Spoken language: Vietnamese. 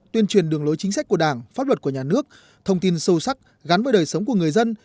tuyên truyền đường lối chính sách của đảng pháp luật của nhà nước thông tin sâu sắc gắn với đời sống của người dân